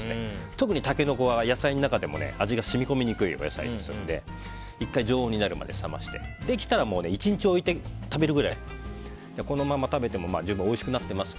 特にタケノコは野菜の中でも味が染み込みにくいお野菜なので１回常温になるまで冷ましてできたら１日置いて食べるぐらいがおいしいと思います。